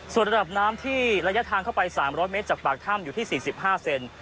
ส่วนระดับน้ำที่ระยะทางเข้าไป๓๐๐เมตรจากปากถ้ำอยู่ที่๔๕เซน